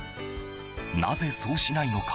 なぜ、そうしないのか。